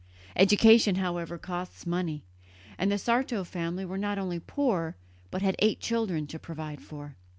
Education, however, costs money; and the Sarto family were not only poor, but had eight children to provide for.